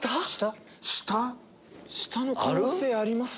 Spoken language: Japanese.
下の可能性あります？